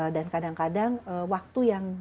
dan kadang kadang waktu yang diberikan